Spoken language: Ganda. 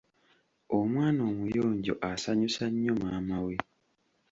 Omwana omuyonjo asanyusa nnyo maama we.